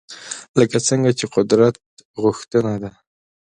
لکه څنګه چې قدرت غوښتنه ده